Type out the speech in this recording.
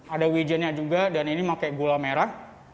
ada wijennya juga dan ini pakai gula merah